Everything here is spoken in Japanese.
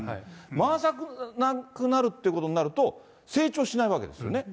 回さなくなるっていうことになると、成長しないわけですよね。